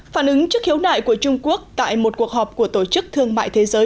phản ứng trước hiếu nại của trung quốc tại một cuộc họp của tổ chức thương mại thế giới